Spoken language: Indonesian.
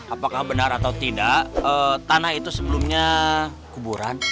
apakah benar atau tidak tanah itu sebelumnya kuburan